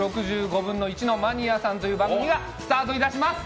１／３６５のマニアさん」という番組がスタートいたします。